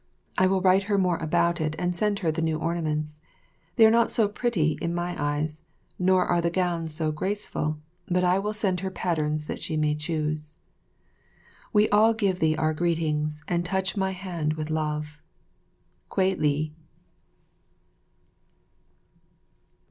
I will write her more about it and send her the new ornaments. They are not so pretty in my eyes, nor are the gowns so graceful, but I will send her patterns that she may choose. We all give thee our greetings and touch my hand with love. Kwei li.